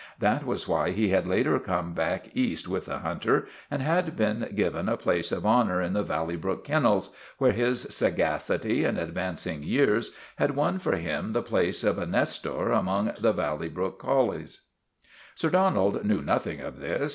That was why he had later come back East with the hunter and had been given a place of honor in the Valley Brook Kennels, where his sagacity and advancing years had won for him the place of a Nestor among the Valley Brook collies. Sir Donald knew nothing of this.